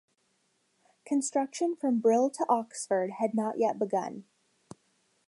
Construction from Brill to Oxford had not yet begun.